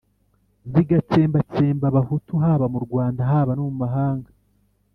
zigatsembatsemba Abahutu haba mu Rwanda haba no mu mahanga,